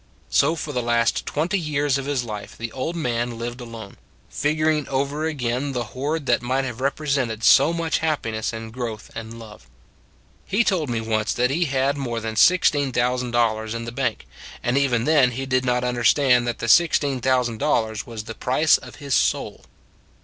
So for the last twenty years of his life the old man lived alone, figuring over again the hoard that might have repre sented so much in happiness and growth and love. He told me once that he had more than $16,000 in the bank; and even then he did not understand that the $16,000 was the price of his soul.